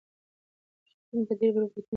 شرکتونه به ډېر روباټونه جوړ کړي.